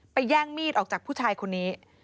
แย่งมีดออกจากผู้ชายคนนี้